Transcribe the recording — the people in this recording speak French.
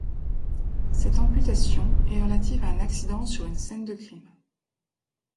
Cette amputation est relative à un accident sur une scène de crime.